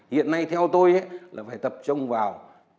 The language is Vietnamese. hiện nay theo tôi là phải tập trung vào